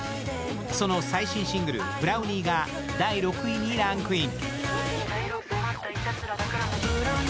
その最新シングル「ブラウニー」が第６位にランクイン。